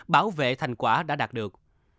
bảo vệ thành quả đã đạt được